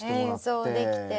演奏できて。